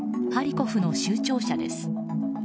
ハリコフの州庁舎です。